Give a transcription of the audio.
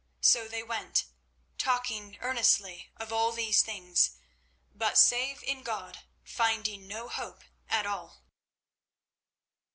So they went, talking earnestly of all these things, but save in God finding no hope at all.